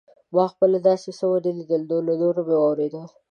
ما خپله داسې څه ونه لیدل خو له نورو مې واورېدل.